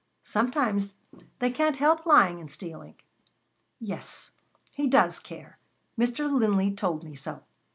Sometimes they can't help lying and stealing." "Yes, He does care. Mr. Linley told me so.